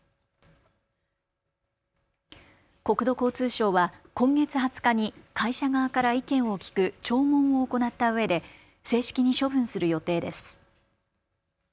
国土交通省は今月２０日に会社側から意見を聞く聴聞を行ったうえで正式に処分する予定です。